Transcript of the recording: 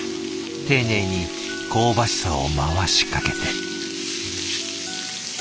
丁寧に香ばしさを回しかけて。